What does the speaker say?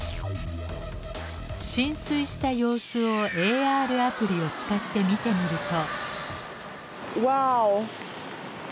浸水した様子をＡＲアプリを使って見てみると。